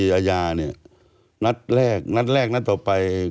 นัดต่อไปวิการอาญานัดแรกนัดต่อไป